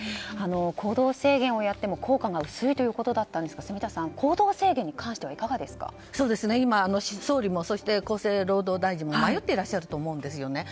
行動制限をやっても効果が薄いということでしたが住田さん、行動制限に関しては今、総理もそして厚生労働大臣も迷っていらっしゃると思うんです。